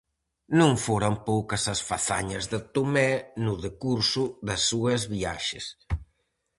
Non foran poucas as fazañas de Tomé no decurso das súas viaxes.